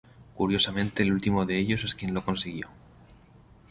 Curiosamente, el último de ellos es quien lo consiguió.